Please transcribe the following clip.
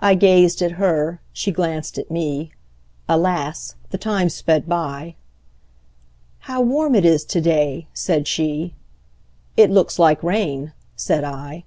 I gazed at her, she glanced at me; Alas! the time sped by:"How warm it is to day!" said she;"It looks like rain," said I.